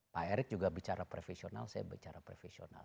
pak erick juga bicara profesional saya bicara profesional